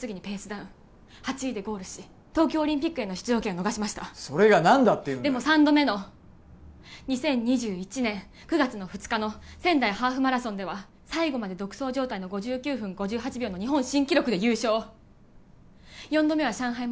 ダウン８位でゴールし東京オリンピックへの出場権を逃しましたそれが何だっていうんだよでも３度目の２０２１年９月２日の仙台ハーフマラソンでは最後まで独走状態の５９分５８秒の日本新記録で優勝４度目は上海